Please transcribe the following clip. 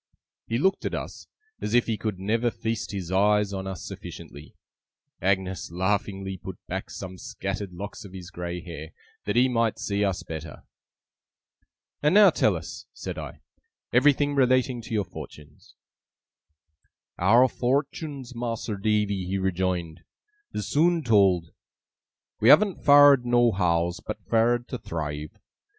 He looked at us, as if he could never feast his eyes on us sufficiently. Agnes laughingly put back some scattered locks of his grey hair, that he might see us better. 'And now tell us,' said I, 'everything relating to your fortunes.' 'Our fortuns, Mas'r Davy,' he rejoined, 'is soon told. We haven't fared nohows, but fared to thrive.